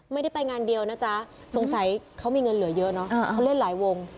ไม่ได้ไปงานเดียวนะจ๊ะสงสัยเขามีเงินเหลือเยอะเนอะเขาเล่นหลายวง